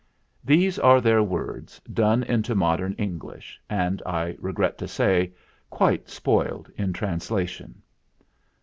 These are their words, done into modern English, and, I regret to say, quite spoiled in translation.